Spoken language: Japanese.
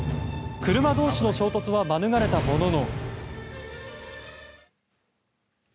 車同士の衝突は免れたものの。